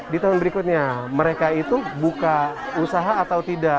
ditahan berikutnya mereka itu buka usaha atau tidak